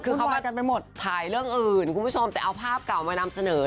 คือเขามากันไปหมดถ่ายเรื่องอื่นคุณผู้ชมแต่เอาภาพเก่ามานำเสนอ